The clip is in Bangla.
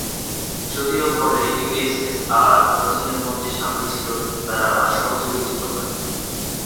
যদিও পরে, ইউএসএসআর ও চীনের মধ্যে শান্তি ছিল, কিন্তু তারা আর সহযোগী ছিল না।